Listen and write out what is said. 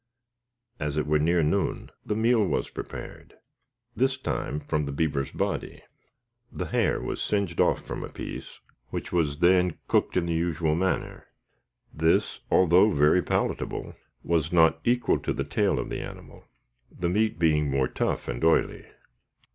As it was near noon, the meal was prepared this time from the beaver's body. The hair was singed off from a piece, which was then cooked in the usual manner. This, although very palatable, was not equal to the tail of the animal, the meat being more tough and oily.